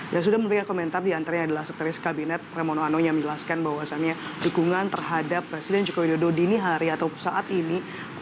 yang sudah memberikan komentar diantaranya adalah sekretaris kabinet pramono anung yang menjelaskan bahwasannya dukungan terhadap presiden joko widodo dini hari atau saat ini